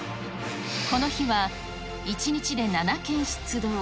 この日は１日で７件出動。